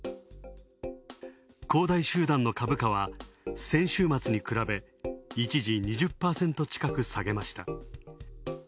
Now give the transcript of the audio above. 恒大集団の株価は、先週末に比べ、一時２０％近く下げました。